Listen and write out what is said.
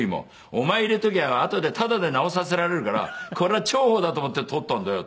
「お前入れときゃあとでタダで直させられるからこれは重宝だと思って採ったんだよ」